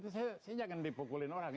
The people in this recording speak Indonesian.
saya jangan dipukul orang